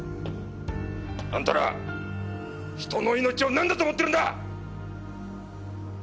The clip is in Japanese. あんたら人の命を何だと思ってるんだ！？